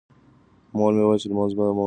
مور مې وویل چې لمونځ د مومن د زړه ارامي ده.